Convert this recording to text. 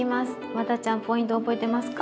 ワダちゃんポイント覚えてますか？